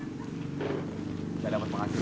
nggak ada berpenghasilan juga